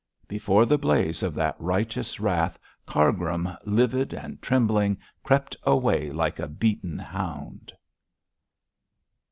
Before the blaze of that righteous wrath, Cargrim, livid and trembling, crept away like a beaten hound.